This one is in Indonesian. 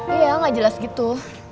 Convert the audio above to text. iya enggak jelas gitu